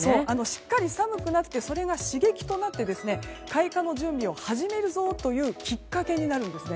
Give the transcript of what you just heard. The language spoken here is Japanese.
しっかり寒くなってそれが刺激となって開花の準備を始めるぞというきっかけになるんです。